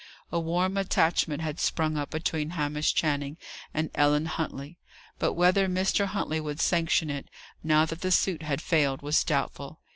A warm attachment had sprung up between Hamish Channing and Ellen Huntley; but whether Mr. Huntley would sanction it, now that the suit had failed, was doubtful.